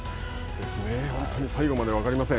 ですね、本当に最後まで分かりません。